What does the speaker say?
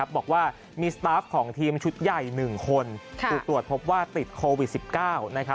บอกว่ามีสตาฟของทีมชุดใหญ่๑คนถูกตรวจพบว่าติดโควิด๑๙